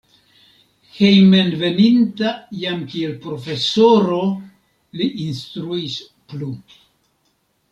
Hejmenveninta jam kiel profesoro li instruis plu.